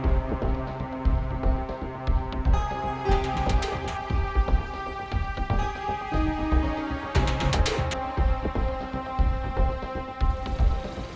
aku mau ke pabrik